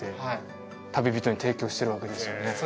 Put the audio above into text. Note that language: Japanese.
はい旅人に提供してるわけですよね